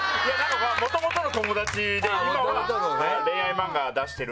もともとの友達で今は恋愛漫画出してる。